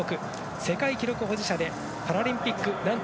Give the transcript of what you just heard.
世界記録保持者でパラリンピックなんと